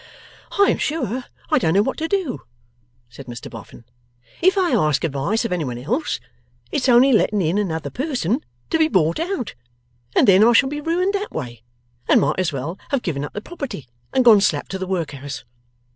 'I am sure I don't know what to do,' said Mr Boffin. 'If I ask advice of any one else, it's only letting in another person to be bought out, and then I shall be ruined that way, and might as well have given up the property and gone slap to the workhouse.